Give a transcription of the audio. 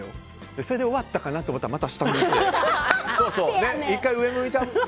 それで終わったかなと思ったらまた下向いて。